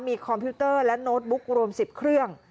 มีคอมพิวเตอร์และโน้ตบุ๊กรวม๑๐เครื่อง